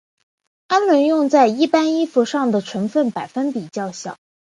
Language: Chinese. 氨纶用在一般衣服上的成分百分比较小。